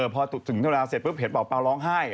พอถึงเท่านั้นเสร็จเพิ่งเห็นป่าวร้องไห้